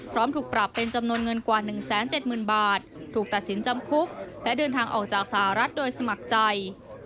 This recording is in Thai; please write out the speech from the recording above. ถูกปรับเป็นจำนวนเงินกว่า๑๗๐๐๐บาทถูกตัดสินจำคุกและเดินทางออกจากสหรัฐโดยสมัครใจ